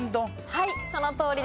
はいそのとおりです。